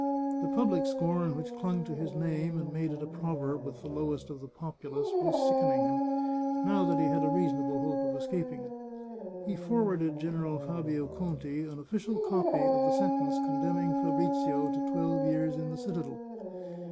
The public scorn which clung to his name and made it a proverb with the lowest of the populace, was sickening him, now that he had a reasonable hope of escaping it. He forwarded General Fabio Conti an official copy of the sentence condemning Fabrizio to twelve years in the citadel.